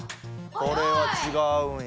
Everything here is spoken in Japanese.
これはちがうんや。